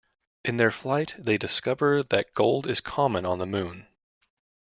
In their flight they discover that gold is common on the moon.